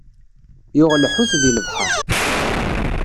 Yuɣ lḥut, di lebḥeṛ.